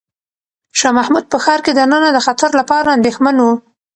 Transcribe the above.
شاه محمود په ښار کې دننه د خطر لپاره اندېښمن و.